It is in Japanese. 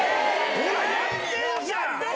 ⁉やってんじゃん！